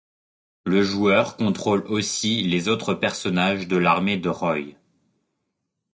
Le joueur contrôle aussi les autres personnages de l'armée de Roy.